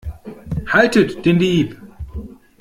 Haltet den Dieb!